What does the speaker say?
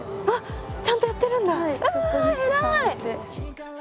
あっちゃんとやってるんだ！